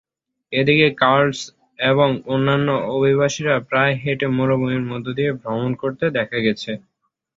এদিকে, কার্লোস এবং অন্যান্য অভিবাসীদের পায়ে হেঁটে মরুভূমির মধ্য দিয়ে ভ্রমণ করতে দেখা গেছে।